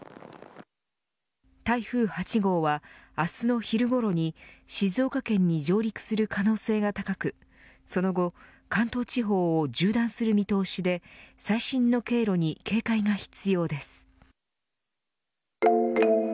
台風８号は明日の昼ごろに静岡県に上陸する可能性が高くその後関東地方を縦断する見通しで最新の経路に警戒が必要です。